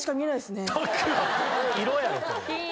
色やろそれ。